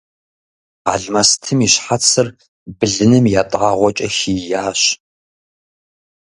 Алмэстым и щхьэцыр блыным ятӏагъуэкӏэ хийящ.